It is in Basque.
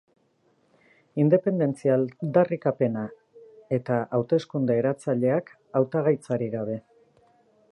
Independentzia aldarrikapena eta hauteskunde eratzaileak JxSí hautagaitzarik gabe.